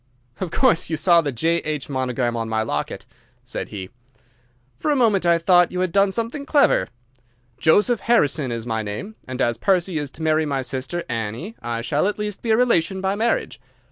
"Of course you saw the 'J.H.' monogram on my locket," said he. "For a moment I thought you had done something clever. Joseph Harrison is my name, and as Percy is to marry my sister Annie I shall at least be a relation by marriage.